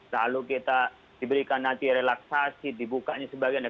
lalu kita diberikan nanti relaksasi dibukanya sebagainya